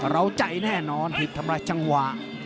ราวใจแน่นอนหยิบทำอะไรจังหวะ